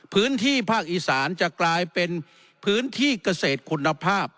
พื้นที่ภาคอีสานจะกลายเป็นพื้นที่เกษตรคุณภาพ